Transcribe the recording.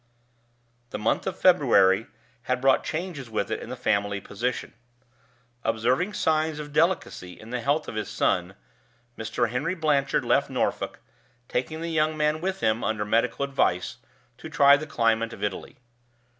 The month of February had brought changes with it in the family position. Observing signs of delicacy in the health of his son, Mr. Henry Blanchard left Norfolk, taking the young man with him, under medical advice, to try the climate of Italy.